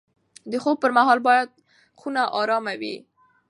د خوب پر مهال باید خونه ارامه وي.